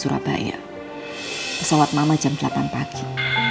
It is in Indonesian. pesawat mama jam delapan pagi